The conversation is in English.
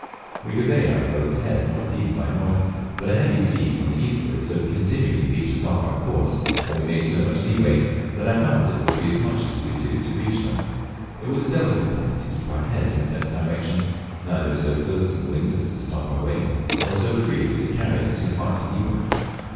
We could lay our boat's head N.E. by N.; but a heavy sea from the eastward so continually beat us off our course, and we made so much leeway, that I found it would be as much as we could do to reach them. It was a delicate point to keep our head in the best direction, neither so close to the wind as to stop our way, or so free as to carry us too far to leeward.